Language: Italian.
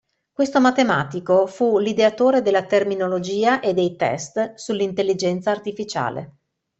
Questo matematico fu l'ideatore della terminologia e dei test sull'Intelligenza Artificiale.